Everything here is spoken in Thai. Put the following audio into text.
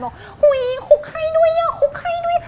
หุยคลุกให้ด้วยคลุกให้ด้วย